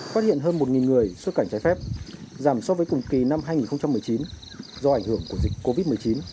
phát hiện hơn một người xuất cảnh trái phép giảm so với cùng kỳ năm hai nghìn một mươi chín do ảnh hưởng của dịch covid một mươi chín